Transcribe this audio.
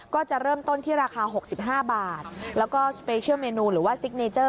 ก็จะเริ่มต้นที่ราคาหกสิบห้าบาทแล้วก็หรือว่าซิกเนเจอร์